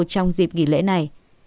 trong dịp nghỉ lễ này